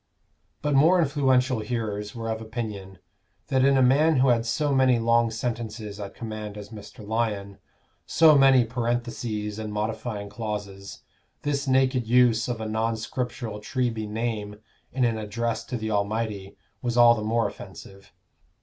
But more influential hearers were of opinion, that in a man who had so many long sentences at command as Mr. Lyon, so many parentheses and modifying clauses, this naked use of a non scriptural Treby name in an address to the Almighty was all the more offensive.